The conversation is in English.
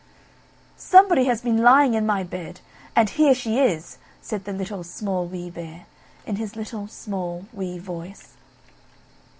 "Somebody has been lying in my bed, and here she is!" said the Little, Small, Wee Bear, in his little, small, wee voice.